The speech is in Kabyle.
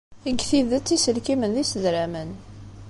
Deg tidet, iselkimen d isedramen.